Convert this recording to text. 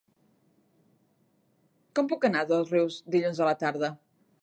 Com puc anar a Dosrius dilluns a la tarda?